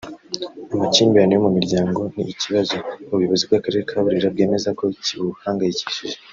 Amakimbira yo mu miryango ni ikibazo ubuyobozi bw’Akarere ka Burera bwemeza ko kibuhangayikishije